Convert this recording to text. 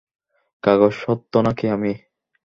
কাগজ সত্য নাকি আমি?